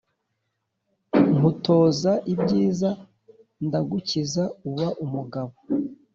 nkutoza ibyiza ndagukiza uba umugabo